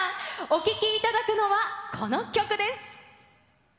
お聴きいただくのは、この曲です。